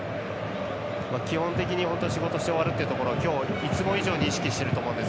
基本的には本当に仕事して終わるというところを今日、いつも以上に意識していると思います。